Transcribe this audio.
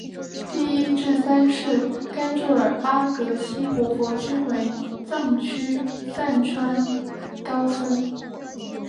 第一至三世甘珠尔巴格西活佛均为藏区散川高僧。